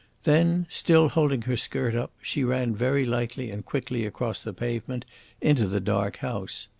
Then, still holding her skirt up, she ran very lightly and quickly across the pavement into the dark house.